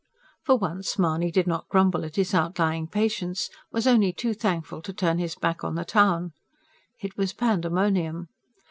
For once Mahony did not grumble at his outlying patients; was only too thankful to turn his back on the town. It was pandemonium.